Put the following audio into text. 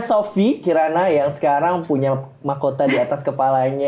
sofi kirana yang sekarang punya mahkota di atas kepalanya